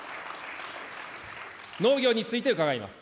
農業について伺います。